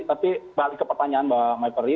tapi balik ke pertanyaan mbak maifri